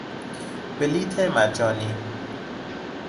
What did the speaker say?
بلیط مجانی